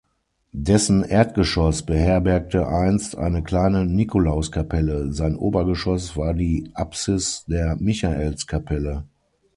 Dessen Erdgeschoss beherbergte einst eine kleine Nikolauskapelle, sein Obergeschoss war die Apsis der Michaelskapelle.